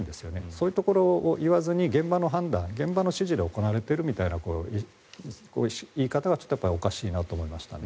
そういうところを言わずに現場の判断、指示で行われているみたいな言い方がちょっとおかしいなと思いました。